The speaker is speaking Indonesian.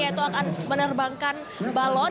yaitu akan menerbangkan balon